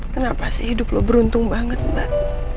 kenapa sih hidup lo beruntung banget nak